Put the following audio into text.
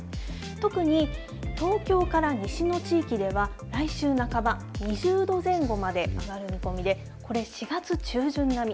特に東京から西の地域では、来週半ば、２０度前後まで上がる見込みで、これ、４月中旬並み。